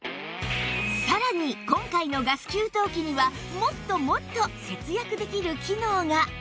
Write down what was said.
さらに今回のガス給湯器にはもっともっと節約できる機能が！